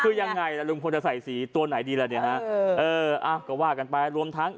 คือยังไงล่ะลุงพลจะใส่สีตัวไหนดีล่ะเนี่ยฮะเอออ่ะก็ว่ากันไปรวมทั้ง